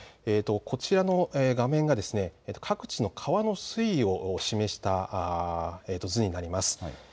こちらの画面が各地の川の水位を示した図になります。